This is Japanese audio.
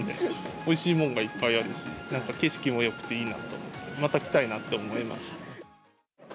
おいしいものがいっぱいあるし、なんか景色もよくていいなと思って、また来たいなって思いました。